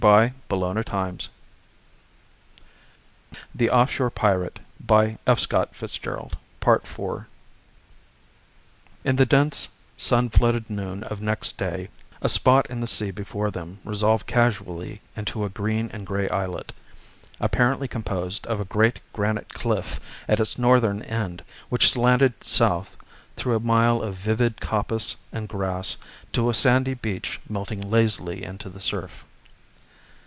Again she made no answer. She had been sound asleep for some time. IV In the dense sun flooded noon of next day a spot in the sea before them resolved casually into a green and gray islet, apparently composed of a great granite cliff at its northern end which slanted south through a mile of vivid coppice and grass to a sandy beach melting lazily into the surf.